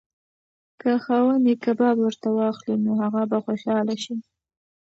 که خاوند یې کباب ورته واخلي نو هغه به خوشحاله شي.